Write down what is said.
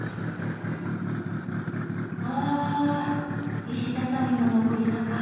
あ石畳の上り坂。